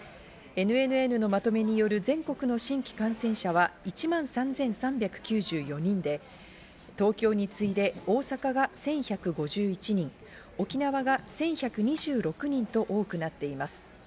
ＮＮＮのまとめによる全国の新規感染者は１万３３９４人で、東京に次いで、大阪が１１５１人、沖縄が１１２６人と多くなっています。